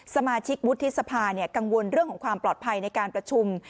สมาชิกวุฒิสภากังวลเรื่องของความปลอดภัยในการประชุม